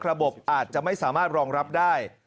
ระบบอาจจะไม่สามารถรองรับได้